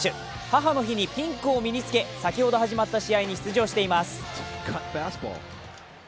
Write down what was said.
母の日にピンクを身に着け先ほど始まった試合に出場しています。